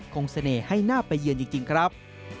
เสน่ห์ให้น่าไปเยือนจริงครับ